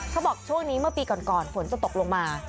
เขาบอกช่วงนี้เมื่อปีก่อนฝนจะตกลงมา